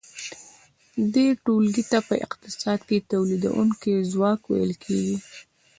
دې ټولګې ته په اقتصاد کې تولیدونکی ځواک ویل کیږي.